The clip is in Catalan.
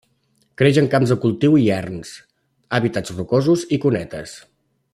Creix en camps de cultiu i erms, hàbitats rocosos i cunetes.